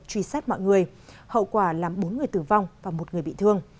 truy sát mọi người hậu quả làm bốn người tử vong và một người bị thương